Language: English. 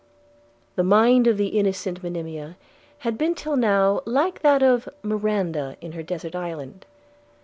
The mind of the innocent Monimia had been till now like that of Miranda in her desert island.